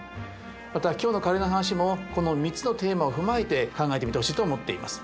また今日のカレーの話もこの３つのテーマを踏まえて考えてみてほしいと思っています。